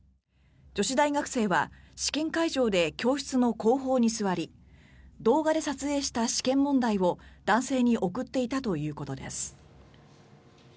女子大学生は試験会場で教室の後方に座り動画で撮影した試験問題を男性に送っていたということです。